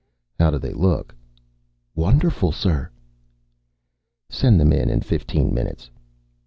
"How do they look?" "Wonderful, sir." "Send them in in fifteen minutes."